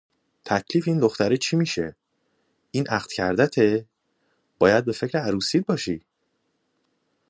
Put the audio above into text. تکلیف این دختره چی میشه؟ این عقد کَردَته؟ باید به فکر عروسیت باشی!